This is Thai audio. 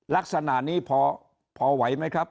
ลักษณะนี้พอไหวไหมครับ